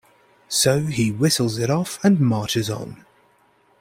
So he whistles it off and marches on.